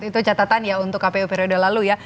itu catatan ya untuk kpu periode lalu ya